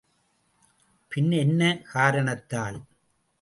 பின் என்ன காரணத்தால்?